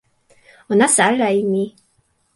o nasa ala e mi.